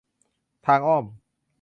ทางอ้อม